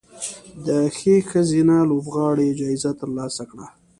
د ښې ښځینه لوبغاړې جایزه ترلاسه کړه